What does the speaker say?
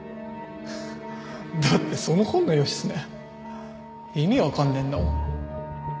だってそのホンの義経意味わかんねえんだもん。